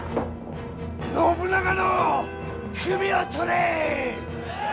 信長の首を取れ！